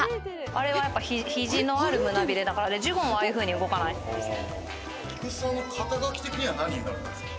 あれは肘のある胸ビレだからでジュゴンはああいうふうに動かないんです。